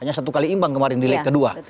hanya satu kali imbang kemarin di leg kedua